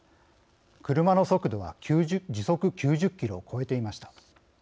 車の速度は時速９０キロを超えていました。